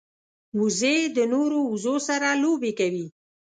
وزې د نورو وزو سره لوبې کوي